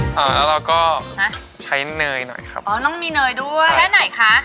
แล้วเราก็ใช้เนยหน่อยครับใช้ไหนคะน้องมีเนยด้วย